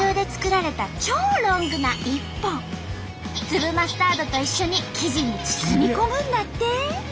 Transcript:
粒マスタードと一緒に生地に包み込むんだって。